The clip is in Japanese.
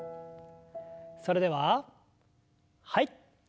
それでははい。